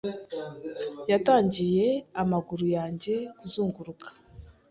yatangiye amaguru yanjye kuzunguruka